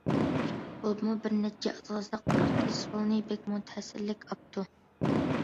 بولۇپمۇ بىر نەچچە ئاساسلىق ئارتىس رولنى بەكمۇ تەسىرلىك ئاپتۇ.